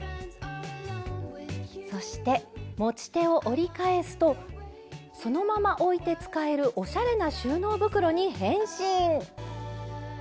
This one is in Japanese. そして持ち手を折り返すとそのまま置いて使えるおしゃれな収納袋に変身！